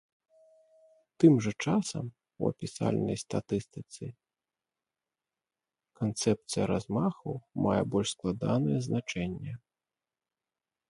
Тым жа часам у апісальнай статыстыцы, канцэпцыя размаху мае больш складанае значэнне.